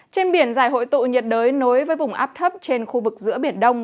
trên biển giải hội tụ nhiệt đới nối với vùng áp thấp trên khu vực giữa biển đông